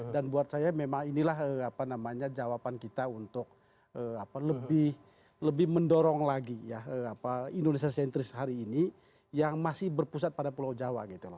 dan buat saya memang inilah jawaban kita untuk lebih mendorong lagi indonesia sentris hari ini yang masih berpusat pada pulau jawa